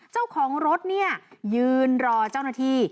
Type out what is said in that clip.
เจ้าของรถเนี่ยยืนรอเจ้าหน้าที่